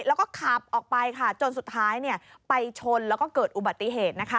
แล้วก็ขับออกไปค่ะจนสุดท้ายไปชนแล้วก็เกิดอุบัติเหตุนะคะ